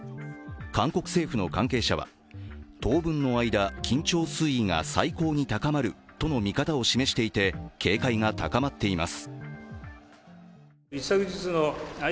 韓国政府の関係者は、当分の間、緊張水位が最高に高まるとの見方を示していて、警戒が高まっています。